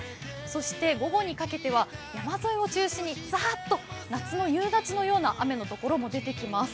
そして午後にかけては山沿いを中心にざーっと夏の夕立のような雨のところも出てきます。